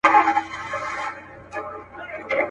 چي د اور پر بلېدلو راغوښتل کېږي